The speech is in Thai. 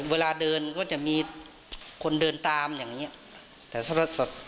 เวลาเดินก็จะมีคนเดินตามอย่างเงี้ยแต่สำหรับสัตว์